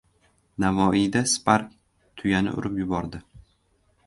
Navoiyda «Spark» tuyani urib yubordi